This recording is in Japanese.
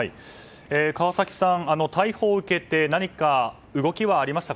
川崎さん、逮捕を受けて何か動きはありましたか。